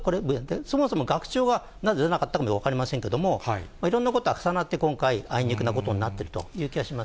そもそも学長がなぜ出なかったということは分かりませんけれども、いろんなことが重なってあいにくなことになっているという気がし